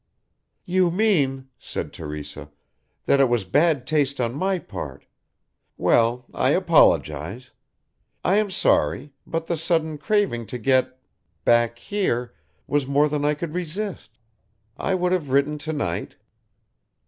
"You mean," said Teresa, "that it was bad taste on my part well, I apologise. I am sorry, but the sudden craving to get back here was more than I could resist. I would have written to night."